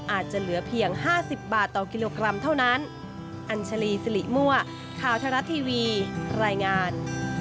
อาจจะเหลือเพียง๕๐บาทต่อกิโลกรัมเท่านั้น